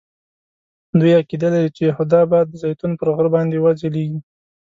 دوی عقیده لري چې یهودا به د زیتون پر غره باندې وځلیږي.